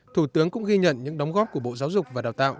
thủ tướng cũng ghi nhận những đóng góp của bộ giáo dục và đào tạo